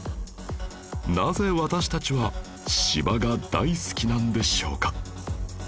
なぜ私たちは芝が大好きなんでしょうか？